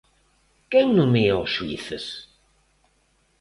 Quen nomea aos xuíces?